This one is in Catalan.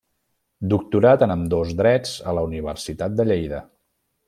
Doctorat en ambdós drets a la Universitat de Lleida.